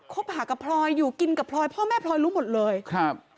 หากับพลอยอยู่กินกับพลอยพ่อแม่พลอยรู้หมดเลยครับ